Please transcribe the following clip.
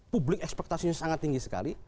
publik ekspektasinya sangat tinggi sekali